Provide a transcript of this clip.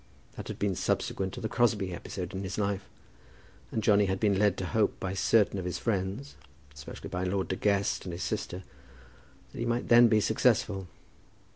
That had been subsequent to the Crosbie episode in his life, and Johnny had been led to hope by certain of his friends, especially by Lord De Guest and his sister, that he might then be successful.